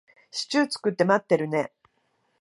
シチュー作って待ってるね。